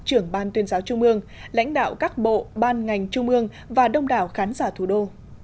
trưởng ban tuyên giáo trung ương lãnh đạo các bộ ban ngành trung ương và đông đảo khán giả thủ đô